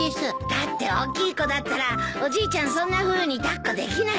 だって大きい子だったらおじいちゃんそんなふうに抱っこできないよ？